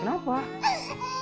walaikum salam mas